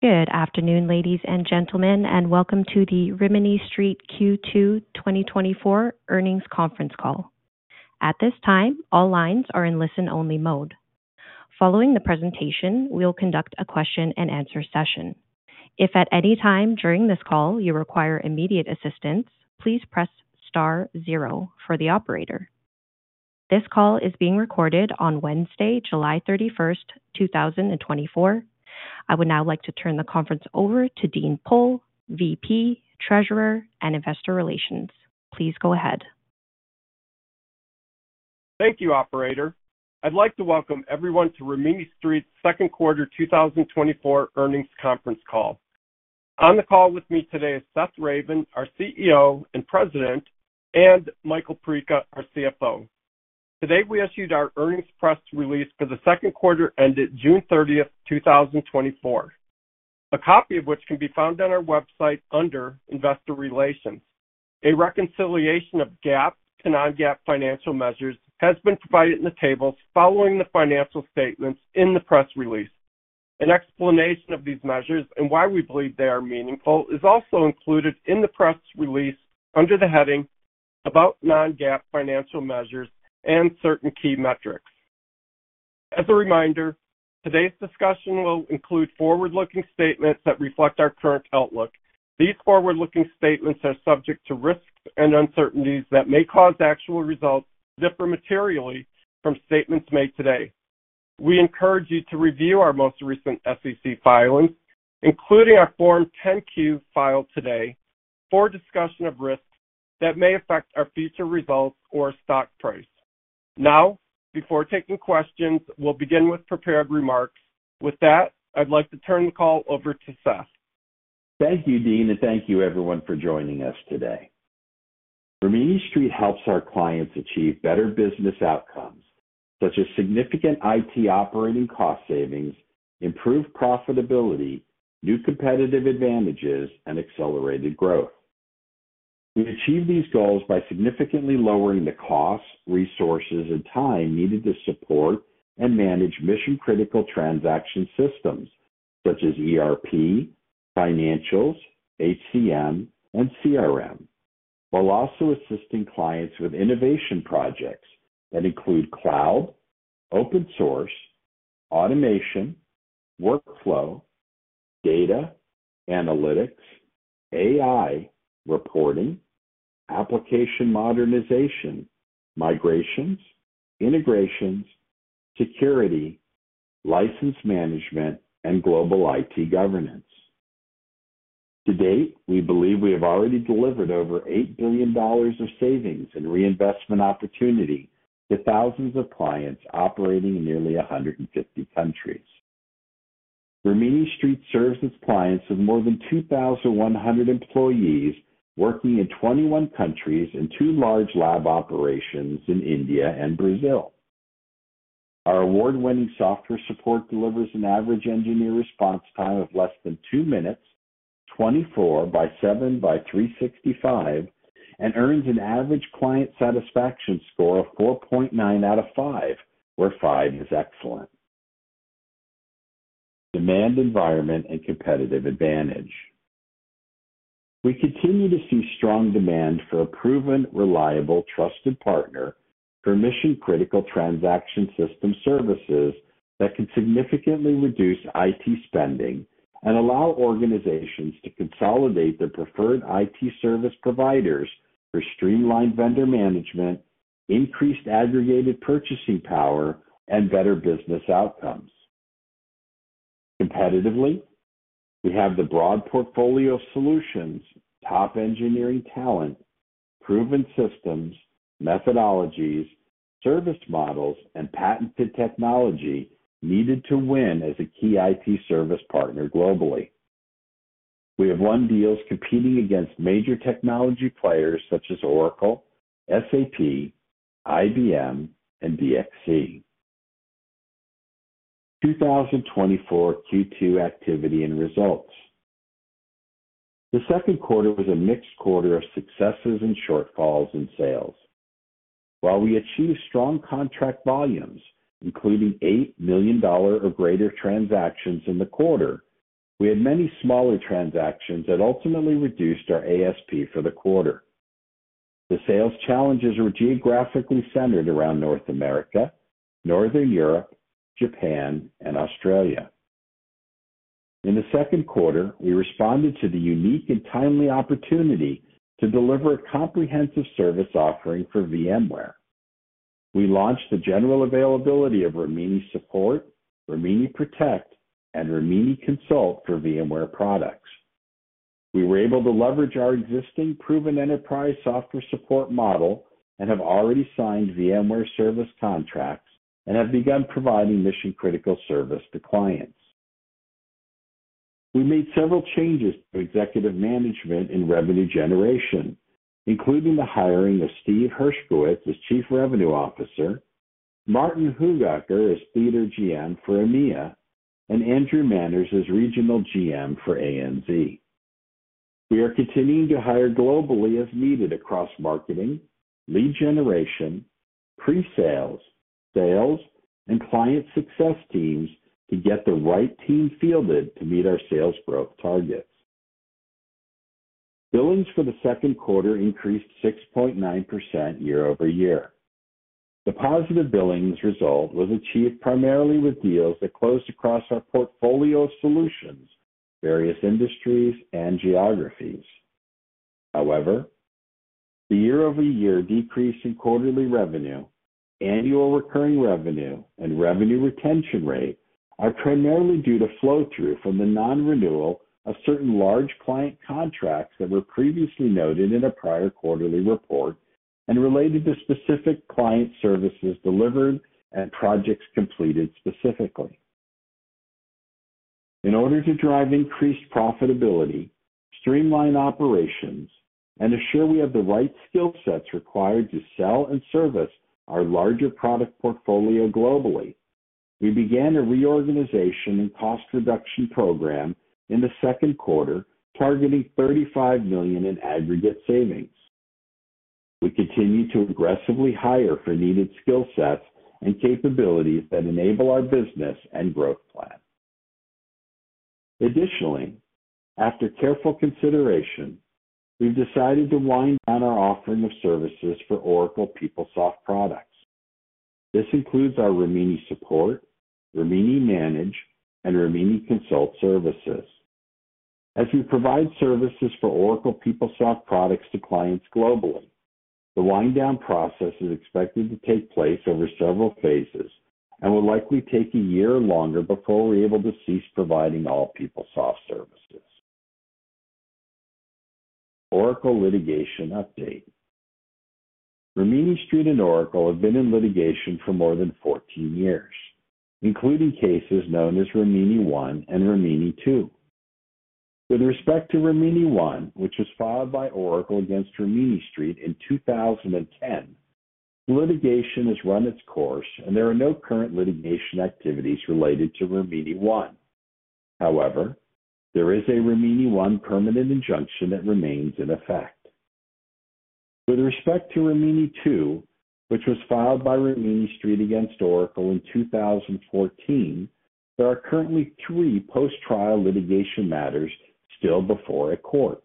Good afternoon, ladies and gentlemen, and welcome to the Rimini Street Q2 2024 earnings conference call. At this time, all lines are in listen-only mode. Following the presentation, we'll conduct a question-and-answer session. If at any time during this call you require immediate assistance, please press star zero for the operator. This call is being recorded on Wednesday, July 31st, 2024. I would now like to turn the conference over to Dean Pohl, VP, Treasurer, and Investor Relations. Please go ahead. Thank you, Operator. I'd like to welcome everyone to Rimini Street's second quarter 2024 earnings conference call. On the call with me today is Seth Ravin, our CEO and President, and Michael Perica, our CFO. Today, we issued our earnings press release for the second quarter ended June 30th, 2024, a copy of which can be found on our website under Investor Relations. A reconciliation of GAAP to Non-GAAP financial measures has been provided in the tables following the financial statements in the press release. An explanation of these measures and why we believe they are meaningful is also included in the press release under the heading "About Non-GAAP Financial Measures and Certain Key Metrics." As a reminder, today's discussion will include forward-looking statements that reflect our current outlook. These forward-looking statements are subject to risks and uncertainties that may cause actual results to differ materially from statements made today. We encourage you to review our most recent SEC filings, including our Form 10-Q filed today, for discussion of risks that may affect our future results or stock price. Now, before taking questions, we'll begin with prepared remarks. With that, I'd like to turn the call over to Seth. Thank you, Dean, and thank you, everyone, for joining us today. Rimini Street helps our clients achieve better business outcomes, such as significant IT operating cost savings, improved profitability, new competitive advantages, and accelerated growth. We achieve these goals by significantly lowering the costs, resources, and time needed to support and manage mission-critical transaction systems such as ERP, financials, HCM, and CRM, while also assisting clients with innovation projects that include cloud, open source, automation, workflow, data, analytics, AI reporting, application modernization, migrations, integrations, security, license management, and global IT governance. To date, we believe we have already delivered over $8 billion of savings and reinvestment opportunity to thousands of clients operating in nearly 150 countries. Rimini Street serves its clients with more than 2,100 employees working in 21 countries and two large lab operations in India and Brazil. Our award-winning software support delivers an average engineer response time of less than 2 minutes, 24 by 7 by 365, and earns an average client satisfaction score of 4.9 out of 5, where 5 is excellent. Demand environment and competitive advantage. We continue to see strong demand for a proven, reliable, trusted partner for mission-critical transaction system services that can significantly reduce IT spending and allow organizations to consolidate their preferred IT service providers for streamlined vendor management, increased aggregated purchasing power, and better business outcomes. Competitively, we have the broad portfolio of solutions, top engineering talent, proven systems, methodologies, service models, and patented technology needed to win as a key IT service partner globally. We have won deals competing against major technology players such as Oracle, SAP, IBM, and DXC. 2024 Q2 activity and results. The second quarter was a mixed quarter of successes and shortfalls in sales. While we achieved strong contract volumes, including $8 million or greater transactions in the quarter, we had many smaller transactions that ultimately reduced our ASP for the quarter. The sales challenges were geographically centered around North America, Northern Europe, Japan, and Australia. In the second quarter, we responded to the unique and timely opportunity to deliver a comprehensive service offering for VMware. We launched the general availability of Rimini Support, Rimini Protect, and Rimini Consult for VMware products. We were able to leverage our existing proven enterprise software support model and have already signed VMware service contracts and have begun providing mission-critical service to clients. We made several changes to executive management and revenue generation, including the hiring of Steve Hershkowitz as Chief Revenue Officer, Martyn Hoogakker as Theater GM for EMEA, and Andrew Manners as Regional GM for ANZ. We are continuing to hire globally as needed across marketing, lead generation, pre-sales, sales, and client success teams to get the right team fielded to meet our sales growth targets. Billings for the second quarter increased 6.9% year-over-year. The positive billings result was achieved primarily with deals that closed across our portfolio of solutions, various industries, and geographies. However, the year-over-year decrease in quarterly revenue, annual recurring revenue, and revenue retention rate are primarily due to flow-through from the non-renewal of certain large client contracts that were previously noted in a prior quarterly report and related to specific client services delivered and projects completed specifically. In order to drive increased profitability, streamline operations, and assure we have the right skill sets required to sell and service our larger product portfolio globally, we began a reorganization and cost reduction program in the second quarter targeting $35 million in aggregate savings. We continue to aggressively hire for needed skill sets and capabilities that enable our business and growth plan. Additionally, after careful consideration, we've decided to wind down our offering of services for Oracle PeopleSoft products. This includes our Rimini Support, Rimini Manage, and Rimini Consult services. As we provide services for Oracle PeopleSoft products to clients globally, the wind-down process is expected to take place over several phases and will likely take a year or longer before we're able to cease providing all PeopleSoft services. Oracle litigation update. Rimini Street and Oracle have been in litigation for more than 14 years, including cases known Rimini I and Rimini II. With respect Rimini I, which was filed by Oracle against Rimini Street in 2010, the litigation has run its course, and there are no current litigation activities related Rimini I. however, there is Rimini I permanent injunction that remains in effect. With respect to Rimini II, which was filed by Rimini Street against Oracle in 2014, there are currently three post-trial litigation matters still before a court: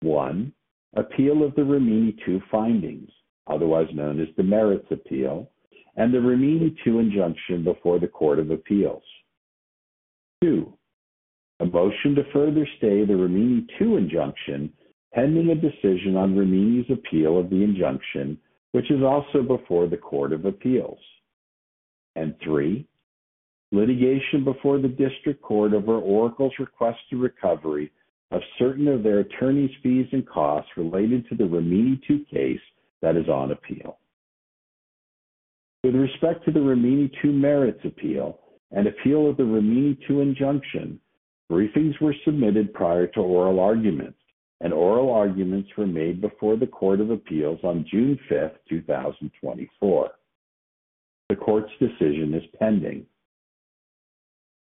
one, appeal of the Rimini II findings, otherwise known as the merits appeal, and the Rimini II injunction before the Court of Appeals; two, a motion to further stay the Rimini II injunction pending a decision on Rimini's appeal of the injunction, which is also before the Court of Appeals; and three, litigation before the district court over Oracle's request to recovery of certain of their attorney's fees and costs related to the Rimini II case that is on appeal. With respect to the Rimini II merits appeal and appeal of the Rimini II injunction, briefings were submitted prior to oral arguments, and oral arguments were made before the Court of Appeals on June 5th, 2024. The court's decision is pending.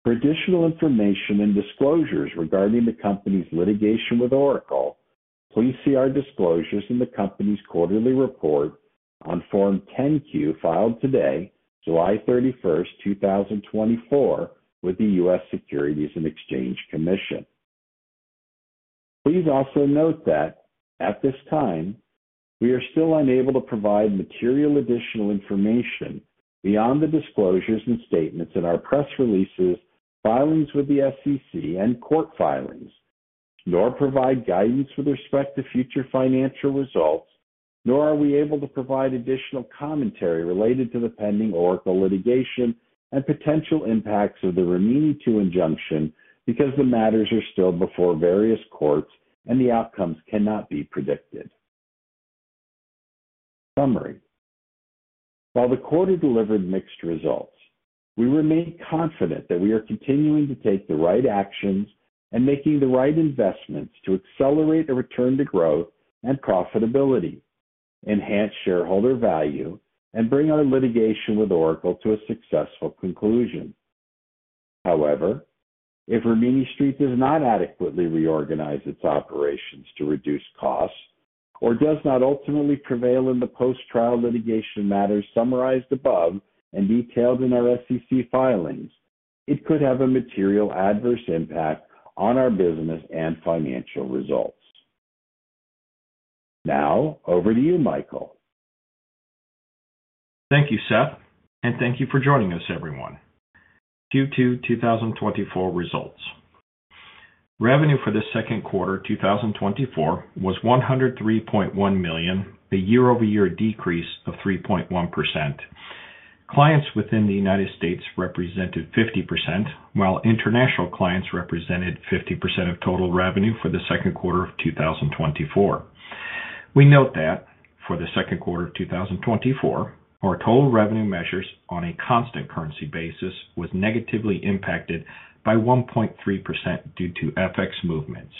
For additional information and disclosures regarding the company's litigation with Oracle, please see our disclosures in the company's quarterly report on Form 10-Q filed today, July 31st, 2024, with the U.S. Securities and Exchange Commission. Please also note that at this time, we are still unable to provide material additional information beyond the disclosures and statements in our press releases, filings with the SEC, and court filings, nor provide guidance with respect to future financial results, nor are we able to provide additional commentary related to the pending Oracle litigation and potential impacts of the Rimini II injunction because the matters are still before various courts and the outcomes cannot be predicted. Summary. While the quarter delivered mixed results, we remain confident that we are continuing to take the right actions and making the right investments to accelerate a return to growth and profitability, enhance shareholder value, and bring our litigation with Oracle to a successful conclusion. However, if Rimini Street does not adequately reorganize its operations to reduce costs or does not ultimately prevail in the post-trial litigation matters summarized above and detailed in our SEC filings, it could have a material adverse impact on our business and financial results. Now, over to you, Michael. Thank you, Seth, and thank you for joining us, everyone. Q2 2024 results. Revenue for the second quarter 2024 was $103.1 million, a year-over-year decrease of 3.1%. Clients within the United States represented 50%, while international clients represented 50% of total revenue for the second quarter of 2024. We note that for the second quarter of 2024, our total revenue measures on a constant currency basis was negatively impacted by 1.3% due to FX movements.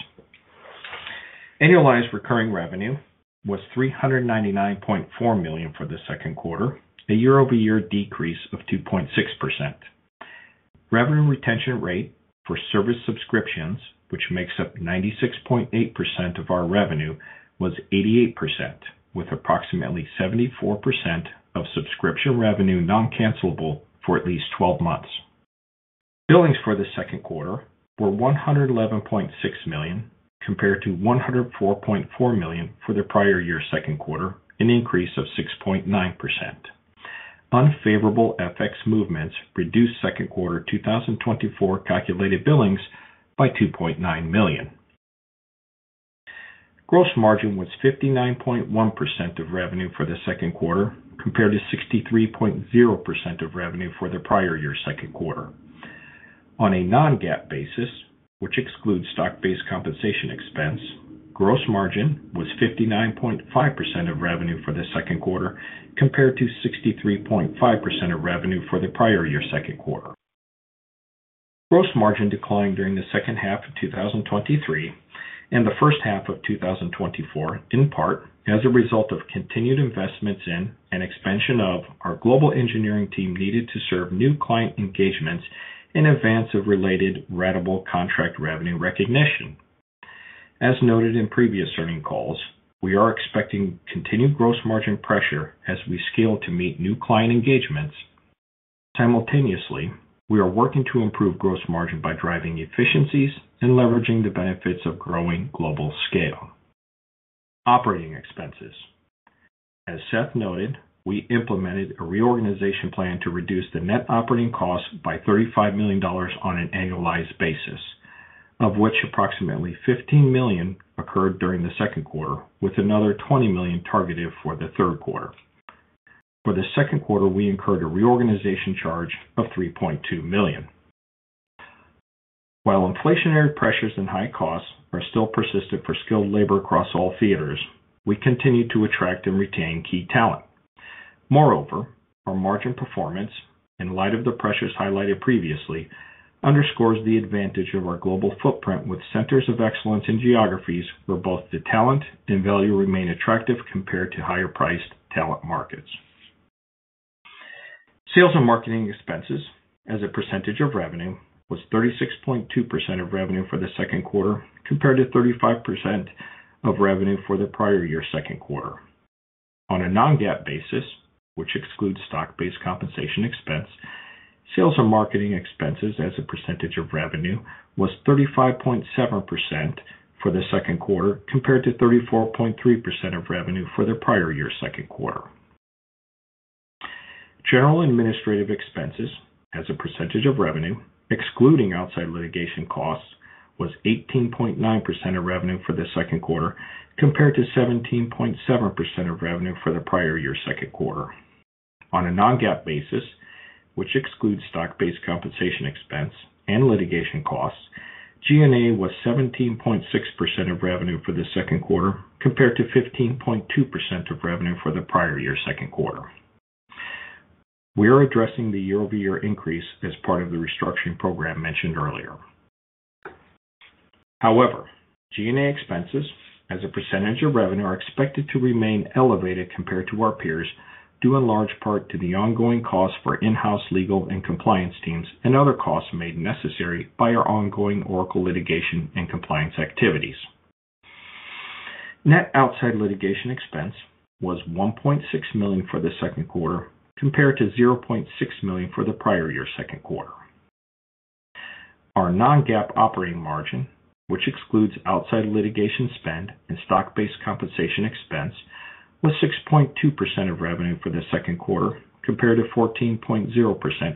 Annualized recurring revenue was $399.4 million for the second quarter, a year-over-year decrease of 2.6%. Revenue retention rate for service subscriptions, which makes up 96.8% of our revenue, was 88%, with approximately 74% of subscription revenue non-cancelable for at least 12 months. Billings for the second quarter were $111.6 million compared to $104.4 million for the prior year's second quarter, an increase of 6.9%. Unfavorable FX movements reduced second quarter 2024 calculated billings by $2.9 million. Gross margin was 59.1% of revenue for the second quarter compared to 63.0% of revenue for the prior year's second quarter. On a Non-GAAP basis, which excludes stock-based compensation expense, gross margin was 59.5% of revenue for the second quarter compared to 63.5% of revenue for the prior year's second quarter. Gross margin declined during the second half of 2023 and the first half of 2024 in part as a result of continued investments in and expansion of our global engineering team needed to serve new client engagements in advance of related ratable contract revenue recognition. As noted in previous earnings calls, we are expecting continued gross margin pressure as we scale to meet new client engagements. Simultaneously, we are working to improve gross margin by driving efficiencies and leveraging the benefits of growing global scale. Operating expenses. As Seth noted, we implemented a reorganization plan to reduce the net operating costs by $35 million on an annualized basis, of which approximately $15 million occurred during the second quarter, with another $20 million targeted for the third quarter. For the second quarter, we incurred a reorganization charge of $3.2 million. While inflationary pressures and high costs are still persistent for skilled labor across all theaters, we continue to attract and retain key talent. Moreover, our margin performance, in light of the pressures highlighted previously, underscores the advantage of our global footprint with centers of excellence in geographies where both the talent and value remain attractive compared to higher-priced talent markets. Sales and marketing expenses, as a percentage of revenue, was 36.2% of revenue for the second quarter compared to 35% of revenue for the prior year's second quarter. On a Non-GAAP basis, which excludes stock-based compensation expense, sales and marketing expenses, as a percentage of revenue, was 35.7% for the second quarter compared to 34.3% of revenue for the prior year's second quarter. General administrative expenses, as a percentage of revenue, excluding outside litigation costs, was 18.9% of revenue for the second quarter compared to 17.7% of revenue for the prior year's second quarter. On a Non-GAAP basis, which excludes stock-based compensation expense and litigation costs, G&A was 17.6% of revenue for the second quarter compared to 15.2% of revenue for the prior year's second quarter. We are addressing the year-over-year increase as part of the restructuring program mentioned earlier. However, G&A expenses, as a percentage of revenue, are expected to remain elevated compared to our peers due in large part to the ongoing costs for in-house legal and compliance teams and other costs made necessary by our ongoing Oracle litigation and compliance activities. Net outside litigation expense was $1.6 million for the second quarter compared to $0.6 million for the prior year's second quarter. Our non-GAAP operating margin, which excludes outside litigation spend and stock-based compensation expense, was 6.2% of revenue for the second quarter compared to 14.0%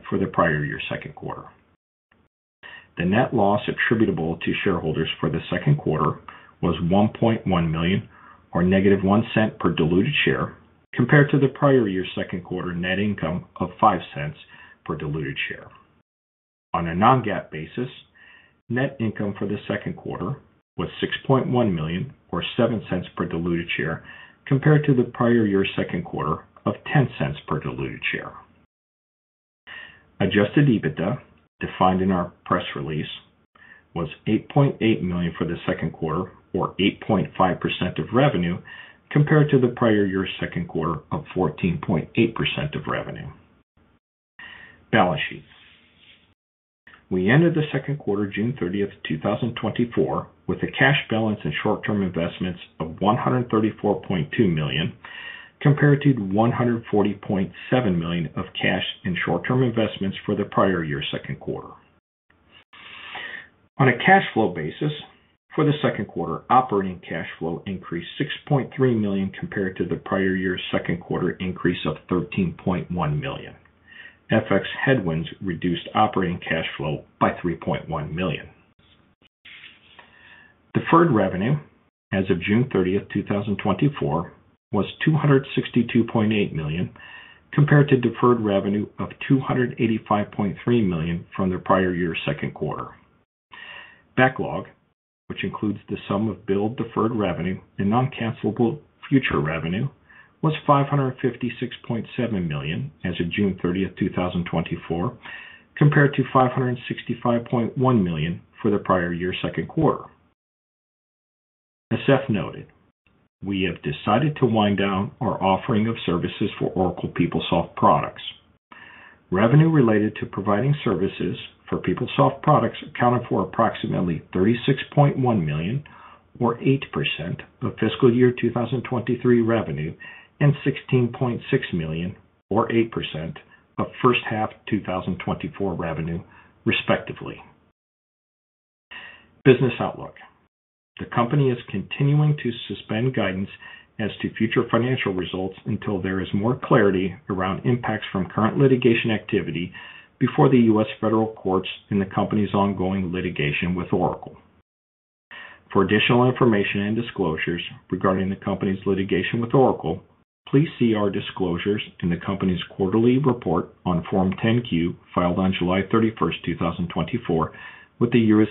for the prior year's second quarter. The net loss attributable to shareholders for the second quarter was $1.1 million, or negative $0.01 per diluted share, compared to the prior year's second quarter net income of $0.05 per diluted share. On a Non-GAAP basis, net income for the second quarter was $6.1 million, or $0.07 per diluted share, compared to the prior year's second quarter of $0.10 per diluted share. Adjusted EBITDA, defined in our press release, was $8.8 million for the second quarter, or 8.5% of revenue, compared to the prior year's second quarter of 14.8% of revenue. Balance sheet. We ended the second quarter June 30th, 2024, with a cash balance and short-term investments of $134.2 million compared to $140.7 million of cash and short-term investments for the prior year's second quarter. On a cash flow basis, for the second quarter, operating cash flow increased $6.3 million compared to the prior year's second quarter increase of $13.1 million. FX headwinds reduced operating cash flow by $3.1 million. Deferred revenue, as of June 30th, 2024, was $262.8 million compared to deferred revenue of $285.3 million from the prior year's second quarter. Backlog, which includes the sum of billed deferred revenue and non-cancelable future revenue, was $556.7 million as of June 30th, 2024, compared to $565.1 million for the prior year's second quarter. As Seth noted, we have decided to wind down our offering of services for Oracle PeopleSoft products. Revenue related to providing services for PeopleSoft products accounted for approximately $36.1 million, or 8% of fiscal year 2023 revenue, and $16.6 million, or 8% of first half 2024 revenue, respectively. Business outlook. The company is continuing to suspend guidance as to future financial results until there is more clarity around impacts from current litigation activity before the U.S. federal courts and the company's ongoing litigation with Oracle. For additional information and disclosures regarding the company's litigation with Oracle, please see our disclosures in the company's quarterly report on Form 10-Q filed on July 31st, 2024, with the U.S.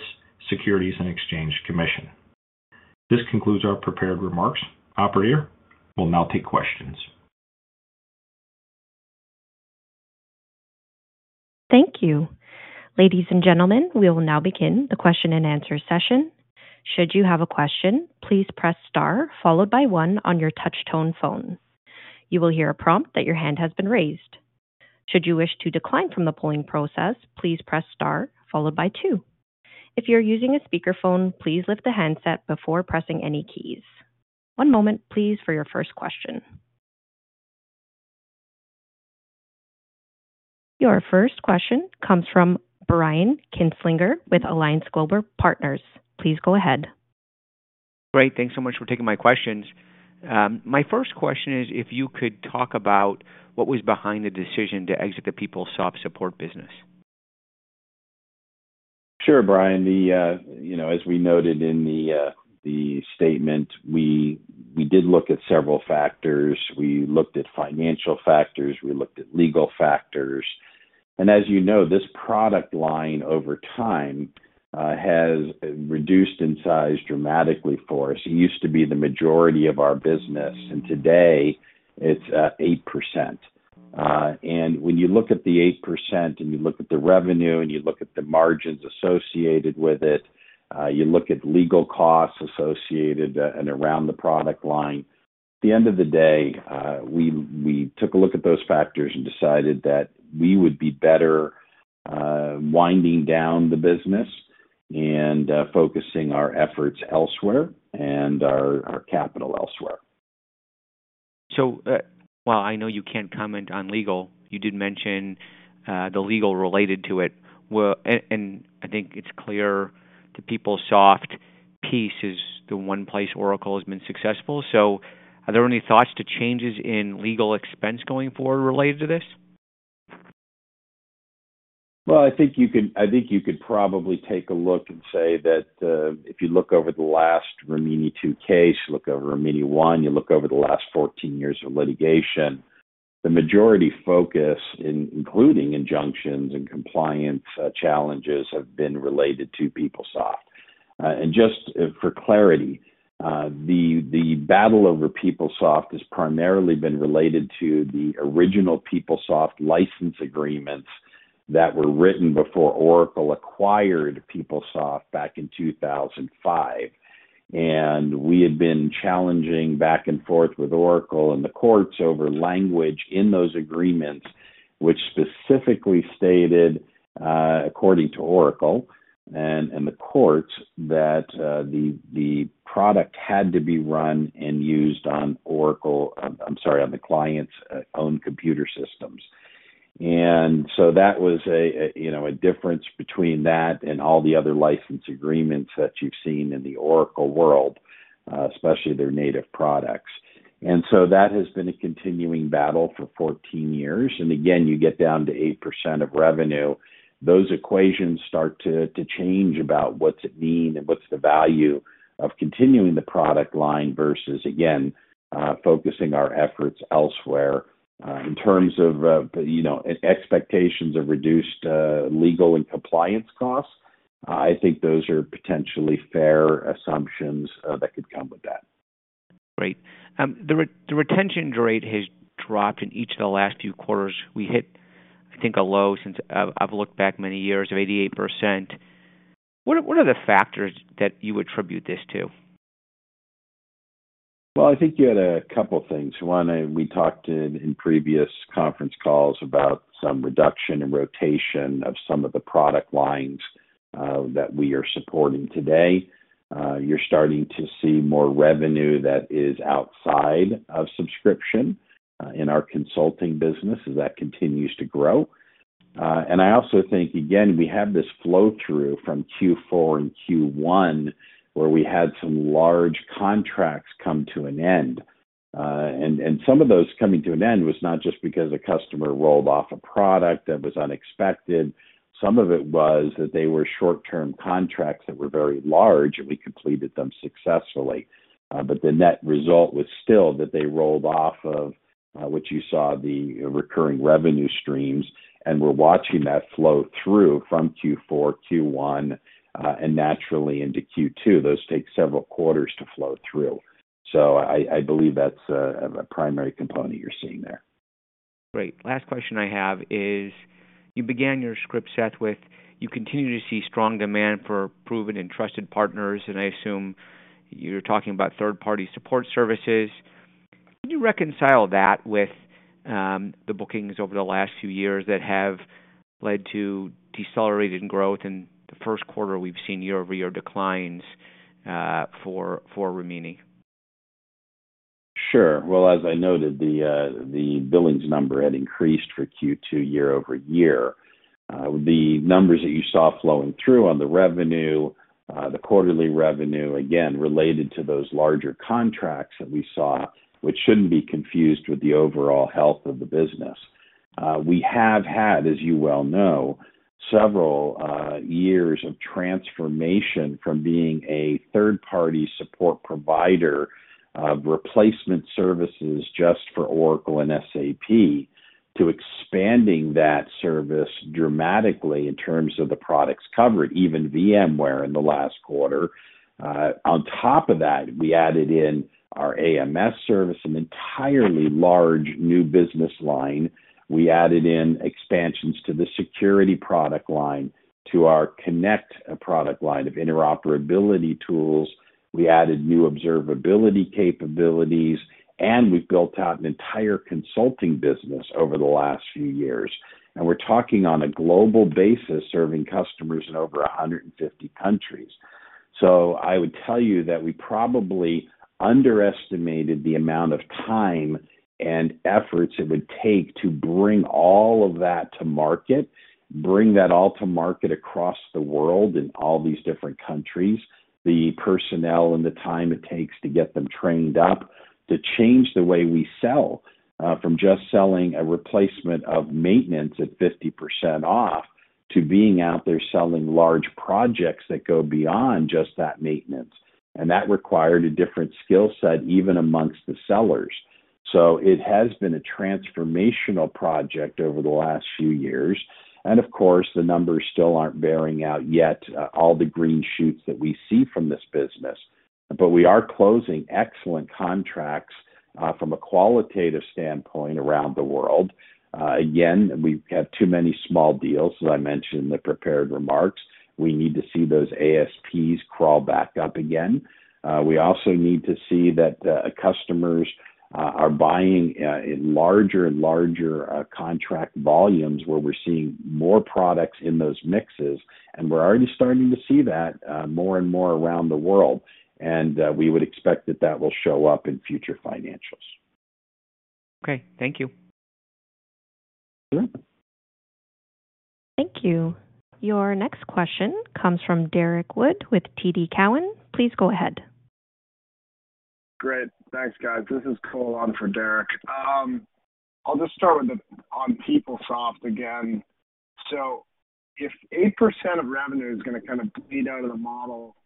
Securities and Exchange Commission. This concludes our prepared remarks. Operator will now take questions. Thank you. Ladies and gentlemen, we will now begin the question and answer session. Should you have a question, please press star followed by one on your touch tone phone. You will hear a prompt that your hand has been raised. Should you wish to decline from the polling process, please press star followed by two. If you're using a speakerphone, please lift the handset before pressing any keys. One moment, please, for your first question. Your first question comes from Brian Kinstlinger with Alliance Global Partners. Please go ahead. Great. Thanks so much for taking my questions. My first question is if you could talk about what was behind the decision to exit the PeopleSoft support business? Sure, Brian. As we noted in the statement, we did look at several factors. We looked at financial factors. We looked at legal factors. And as you know, this product line over time has reduced in size dramatically for us. It used to be the majority of our business, and today it's 8%. And when you look at the 8% and you look at the revenue and you look at the margins associated with it, you look at legal costs associated and around the product line, at the end of the day, we took a look at those factors and decided that we would be better winding down the business and focusing our efforts elsewhere and our capital elsewhere. So while I know you can't comment on legal, you did mention the legal related to it. I think it's clear the PeopleSoft piece is the one place Oracle has been successful. So are there any thoughts to changes in legal expense going forward related to this? Well, I think you could probably take a look and say that if you look over the last Rimini II case, look Rimini I, you look over the last 14 years of litigation, the majority focus, including injunctions and compliance challenges, have been related to PeopleSoft. And just for clarity, the battle over PeopleSoft has primarily been related to the original PeopleSoft license agreements that were written before Oracle acquired PeopleSoft back in 2005. And we had been challenging back and forth with Oracle and the courts over language in those agreements, which specifically stated, according to Oracle and the courts, that the product had to be run and used on Oracle - I'm sorry, on the client's own computer systems. And so that was a difference between that and all the other license agreements that you've seen in the Oracle world, especially their native products. And so that has been a continuing battle for 14 years. And again, you get down to 8% of revenue. Those equations start to change about what's it mean and what's the value of continuing the product line versus, again, focusing our efforts elsewhere. In terms of expectations of reduced legal and compliance costs, I think those are potentially fair assumptions that could come with that. Great. The retention rate has dropped in each of the last few quarters. We hit, I think, a low since I've looked back many years of 88%. What are the factors that you attribute this to? Well, I think you had a couple of things. One, we talked in previous conference calls about some reduction and rotation of some of the product lines that we are supporting today. You're starting to see more revenue that is outside of subscription in our consulting business as that continues to grow. And I also think, again, we have this flow-through from Q4 and Q1 where we had some large contracts come to an end. And some of those coming to an end was not just because a customer rolled off a product that was unexpected. Some of it was that they were short-term contracts that were very large, and we completed them successfully. But the net result was still that they rolled off of what you saw, the recurring revenue streams. And we're watching that flow through from Q4, Q1, and naturally into Q2. Those take several quarters to flow through. I believe that's a primary component you're seeing there. Great. Last question I have is you began your script set with you continue to see strong demand for proven and trusted partners, and I assume you're talking about third-party support services. Can you reconcile that with the bookings over the last few years that have led to decelerated growth, and the first quarter we've seen year-over-year declines for Rimini? Sure. Well, as I noted, the billings number had increased for Q2 year-over-year. The numbers that you saw flowing through on the revenue, the quarterly revenue, again, related to those larger contracts that we saw, which shouldn't be confused with the overall health of the business. We have had, as you well know, several years of transformation from being a third-party support provider of replacement services just for Oracle and SAP to expanding that service dramatically in terms of the products covered, even VMware in the last quarter. On top of that, we added in our AMS service, an entirely large new business line. We added in expansions to the security product line, to our Connect product line of interoperability tools. We added new observability capabilities, and we've built out an entire consulting business over the last few years. And we're talking on a global basis serving customers in over 150 countries. So I would tell you that we probably underestimated the amount of time and efforts it would take to bring all of that to market, bring that all to market across the world in all these different countries, the personnel and the time it takes to get them trained up, to change the way we sell from just selling a replacement of maintenance at 50% off to being out there selling large projects that go beyond just that maintenance. And that required a different skill set, even amongst the sellers. So it has been a transformational project over the last few years. And of course, the numbers still aren't bearing out yet all the green shoots that we see from this business. But we are closing excellent contracts from a qualitative standpoint around the world. Again, we have too many small deals, as I mentioned in the prepared remarks. We need to see those ASPs crawl back up again. We also need to see that customers are buying in larger and larger contract volumes where we're seeing more products in those mixes. And we're already starting to see that more and more around the world. And we would expect that that will show up in future financials. Okay. Thank you. Sure. Thank you. Your next question comes from Derrick Wood with TD Cowen. Please go ahead. Great. Thanks, guys. This is Cole on for Derrick. I'll just start with on PeopleSoft again. So if 8% of revenue is going to kind of bleed out of the model,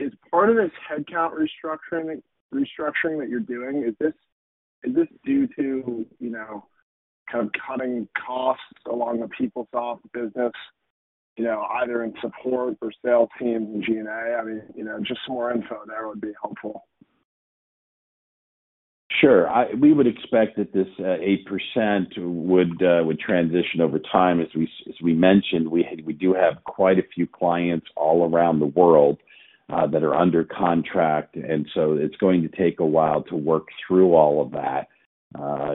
is part of this headcount restructuring that you're doing, is this due to kind of cutting costs along the PeopleSoft business, either in support or sales teams and G&A? I mean, just some more info there would be helpful. Sure. We would expect that this 8% would transition over time. As we mentioned, we do have quite a few clients all around the world that are under contract. And so it's going to take a while to work through all of that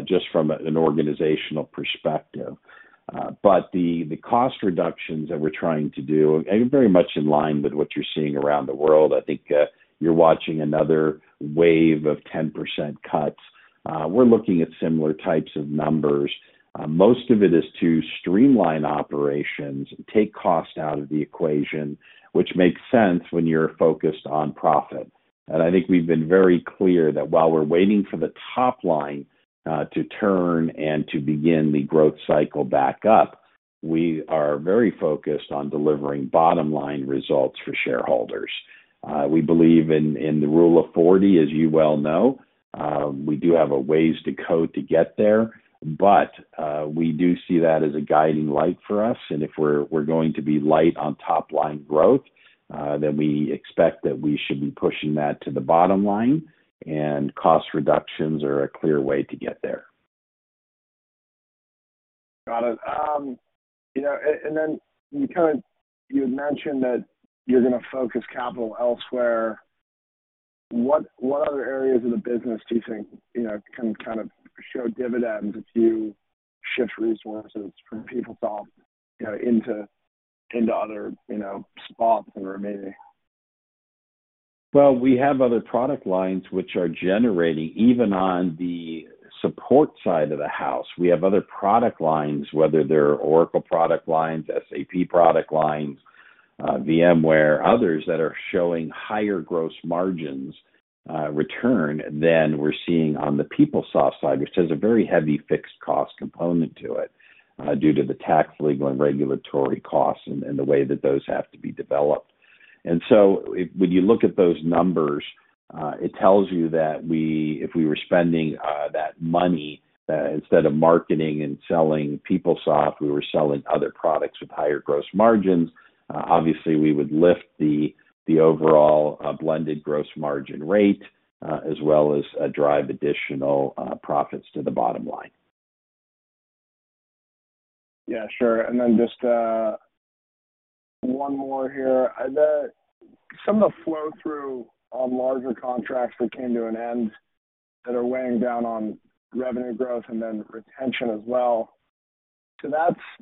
just from an organizational perspective. But the cost reductions that we're trying to do, very much in line with what you're seeing around the world, I think you're watching another wave of 10% cuts. We're looking at similar types of numbers. Most of it is to streamline operations and take cost out of the equation, which makes sense when you're focused on profit. And I think we've been very clear that while we're waiting for the top line to turn and to begin the growth cycle back up, we are very focused on delivering bottom-line results for shareholders. We believe in the Rule of 40, as you well know. We do have a ways to go to get there, but we do see that as a guiding light for us. And if we're going to be light on top-line growth, then we expect that we should be pushing that to the bottom line. And cost reductions are a clear way to get there. Got it. And then you kind of mentioned that you're going to focus capital elsewhere. What other areas of the business do you think can kind of show dividends if you shift resources from PeopleSoft into other spots in Rimini? Well, we have other product lines which are generating, even on the support side of the house. We have other product lines, whether they're Oracle product lines, SAP product lines, VMware, others that are showing higher gross margins return than we're seeing on the PeopleSoft side, which has a very heavy fixed cost component to it due to the tax, legal, and regulatory costs and the way that those have to be developed. And so when you look at those numbers, it tells you that if we were spending that money instead of marketing and selling PeopleSoft, we were selling other products with higher gross margins. Obviously, we would lift the overall blended gross margin rate as well as drive additional profits to the bottom line. Yeah, sure. And then just one more here. Some of the flow-through on larger contracts that came to an end that are weighing down on revenue growth and then retention as well. So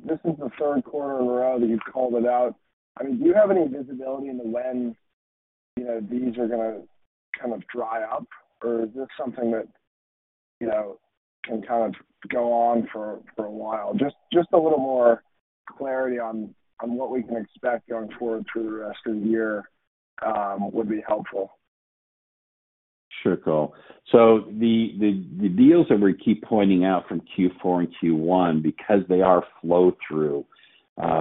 this is the third quarter in a row that you've called it out. I mean, do you have any visibility into when these are going to kind of dry up, or is this something that can kind of go on for a while? Just a little more clarity on what we can expect going forward through the rest of the year would be helpful. Sure, Cole. So the deals that we keep pointing out from Q4 and Q1, because they are flow-through,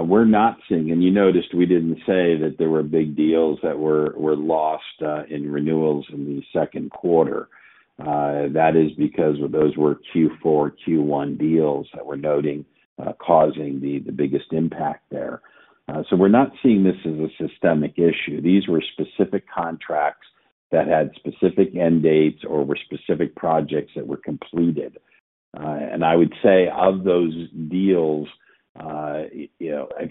we're not seeing, and you noticed we didn't say that there were big deals that were lost in renewals in the second quarter. That is because those were Q4, Q1 deals that we're noting causing the biggest impact there. So we're not seeing this as a systemic issue. These were specific contracts that had specific end dates or were specific projects that were completed. And I would say of those deals, I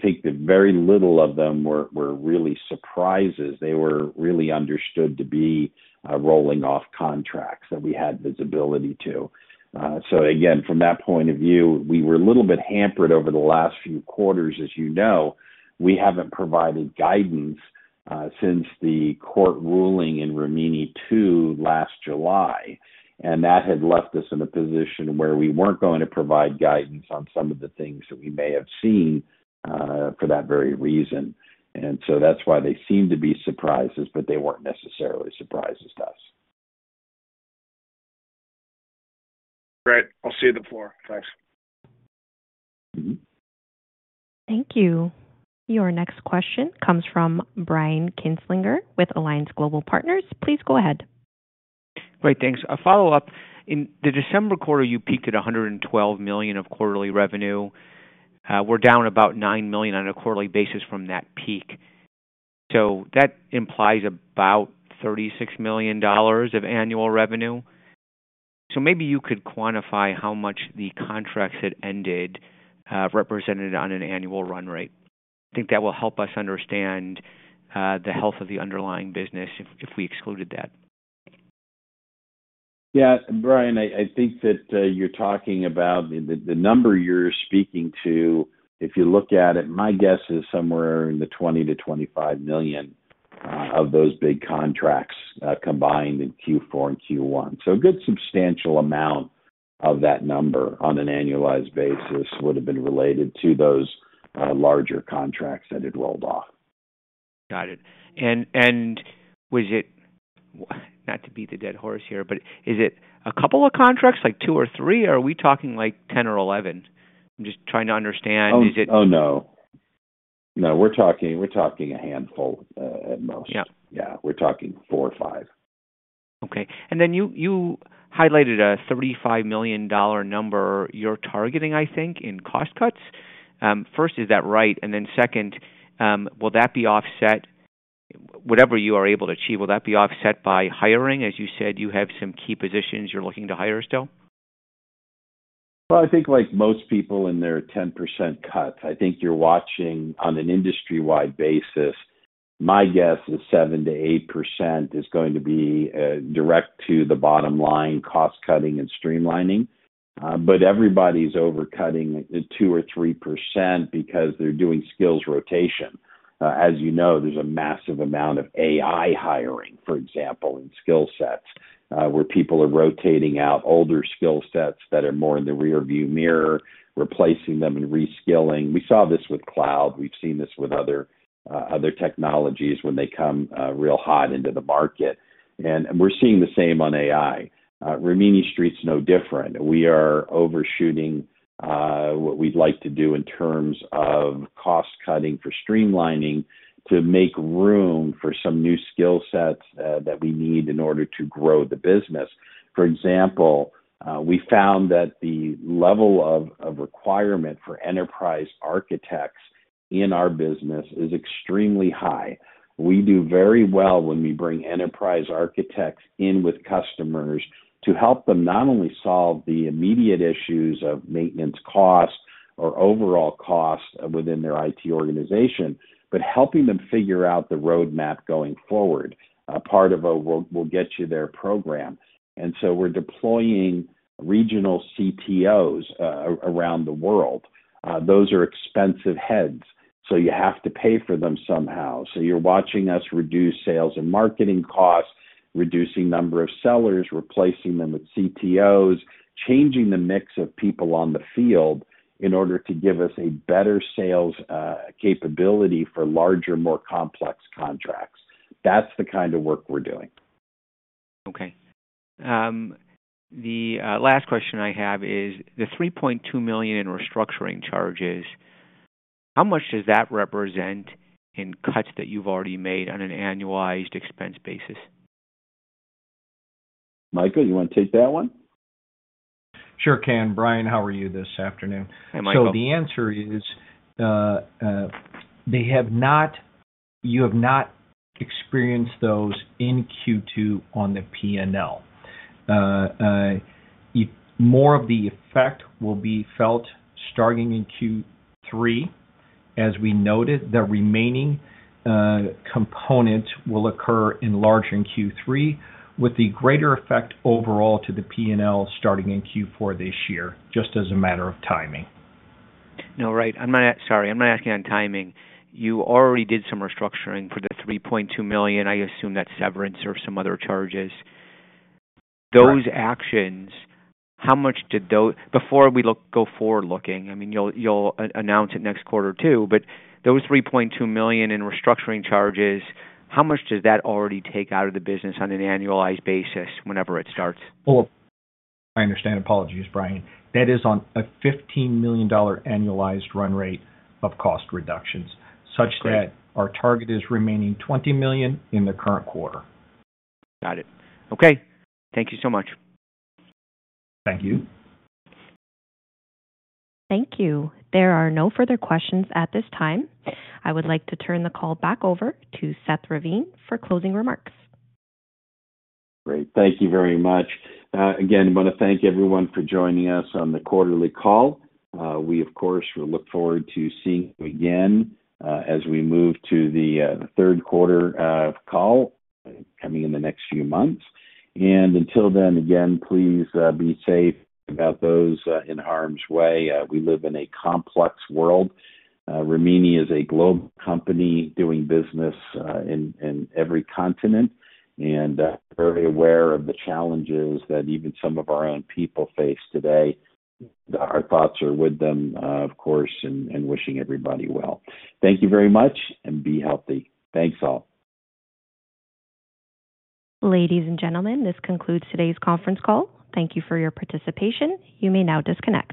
think very little of them were really surprises. They were really understood to be rolling-off contracts that we had visibility to. So again, from that point of view, we were a little bit hampered over the last few quarters. As you know, we haven't provided guidance since the court ruling in Rimini II last July. That had left us in a position where we weren't going to provide guidance on some of the things that we may have seen for that very reason. So that's why they seemed to be surprises, but they weren't necessarily surprises to us. Great. I'll see the floor. Thanks. Thank you. Your next question comes from Brian Kinstlinger with Alliance Global Partners. Please go ahead. Great. Thanks. A follow-up. In the December quarter, you peaked at $112 million of quarterly revenue. We're down about $9 million on a quarterly basis from that peak. So that implies about $36 million of annual revenue. So maybe you could quantify how much the contracts that ended represented on an annual run rate. I think that will help us understand the health of the underlying business if we excluded that. Yeah. Brian, I think that you're talking about the number you're speaking to, if you look at it, my guess is somewhere in the $20 million-$25 million of those big contracts combined in Q4 and Q1. So a good substantial amount of that number on an annualized basis would have been related to those larger contracts that had rolled off. Got it. Was it, not to beat a dead horse here, but is it a couple of contracts, like two or three, or are we talking like 10 or 11? I'm just trying to understand. Oh, no. No, we're talking a handful at most. Yeah. We're talking 4 or 5. Okay. Then you highlighted a $35 million number you're targeting, I think, in cost cuts. First, is that right? Second, will that be offset? Whatever you are able to achieve, will that be offset by hiring? As you said, you have some key positions you're looking to hire still. Well, I think like most people in their 10% cuts, I think you're watching on an industry-wide basis. My guess is 7%-8% is going to be direct to the bottom line, cost cutting and streamlining. But everybody's overcutting 2% or 3% because they're doing skills rotation. As you know, there's a massive amount of AI hiring, for example, in skill sets where people are rotating out older skill sets that are more in the rearview mirror, replacing them and reskilling. We saw this with cloud. We've seen this with other technologies when they come real hot into the market. And we're seeing the same on AI. Rimini Street's no different. We are overshooting what we'd like to do in terms of cost cutting for streamlining to make room for some new skill sets that we need in order to grow the business. For example, we found that the level of requirement for enterprise architects in our business is extremely high. We do very well when we bring enterprise architects in with customers to help them not only solve the immediate issues of maintenance cost or overall cost within their IT organization, but helping them figure out the roadmap going forward, part of a "we'll get you there" program. And so we're deploying regional CTOs around the world. Those are expensive heads, so you have to pay for them somehow. So you're watching us reduce sales and marketing costs, reducing number of sellers, replacing them with CTOs, changing the mix of people on the field in order to give us a better sales capability for larger, more complex contracts. That's the kind of work we're doing. Okay. The last question I have is the $3.2 million in restructuring charges. How much does that represent in cuts that you've already made on an annualized expense basis? Michael, you want to take that one? Sure can. Brian, how are you this afternoon? Hey, Michael. The answer is you have not experienced those in Q2 on the P&L. More of the effect will be felt starting in Q3. As we noted, the remaining components will occur enlarged in Q3, with the greater effect overall to the P&L starting in Q4 this year, just as a matter of timing. No, right. Sorry. I'm not asking on timing. You already did some restructuring for the $3.2 million. I assume that's severance or some other charges. Those actions, how much did those, before we go forward looking, I mean, you'll announce it next quarter too, but those $3.2 million in restructuring charges, how much does that already take out of the business on an annualized basis whenever it starts? Well, I understand. Apologies, Brian. That is on a $15 million annualized run rate of cost reductions, such that our target is remaining $20 million in the current quarter. Got it. Okay. Thank you so much. Thank you. Thank you. There are no further questions at this time. I would like to turn the call back over to Seth Ravin for closing remarks. Great. Thank you very much. Again, I want to thank everyone for joining us on the quarterly call. We, of course, will look forward to seeing you again as we move to the third quarter call coming in the next few months. And until then, again, please be safe about those in harm's way. We live in a complex world. Rimini is a global company doing business in every continent and very aware of the challenges that even some of our own people face today. Our thoughts are with them, of course, and wishing everybody well. Thank you very much and be healthy. Thanks all. Ladies and gentlemen, this concludes today's conference call. Thank you for your participation. You may now disconnect.